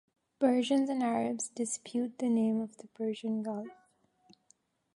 Persians and Arabs dispute the name of the Persian Gulf.